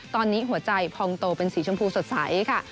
ตอนนี้หัวใจพองโตเป็นสีชมพูสดใสค่ะ